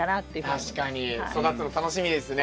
確かに育つの楽しみですね。